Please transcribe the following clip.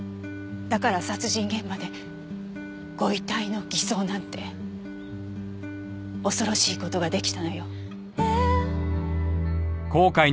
だから殺人現場でご遺体の偽装なんて恐ろしい事が出来たのよ。